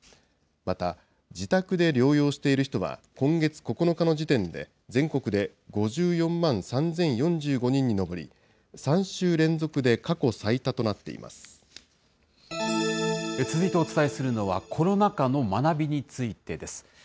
また、自宅で療養している人は、今月９日の時点で全国で５４万３０４５人に上り、３週連続で過去続いてお伝えするのは、コロナ禍の学びについてです。